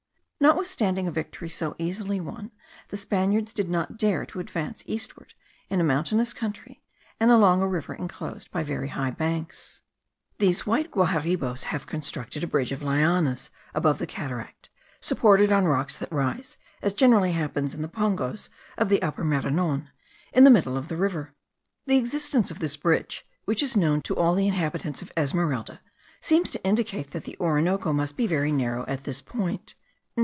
Notwithstanding a victory so easily won, the Spaniards did not dare to advance eastward in a mountainous country, and along a river inclosed by very high banks. These white Guaharibos have constructed a bridge of lianas above the cataract, supported on rocks that rise, as generally happens in the pongos of the Upper Maranon, in the middle of the river. The existence of this bridge, which is known to all the inhabitants of Esmeralda,* seems to indicate that the Orinoco must be very narrow at this point.